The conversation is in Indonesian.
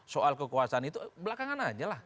soal kekuasaan itu belakangan aja lah